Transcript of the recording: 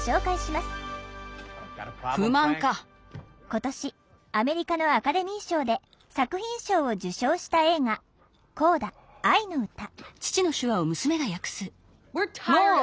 今年アメリカのアカデミー賞で作品賞を受賞した映画「コーダあいのうた」。